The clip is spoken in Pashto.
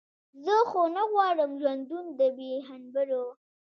زه خو نه غواړم ژوندون د بې هنبرو.